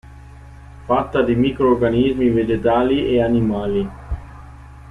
Fatta di microrganismi vegetali e animali.